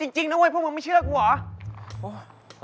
จริงนะว่ะพวกมึงไม่เชื่อกับกูหรอ